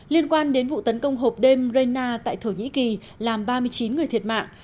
liên quan đến vụ tấn công hộp đêm rena tại thổ nhĩ kỳ làm ba mươi chín người thiệt mạng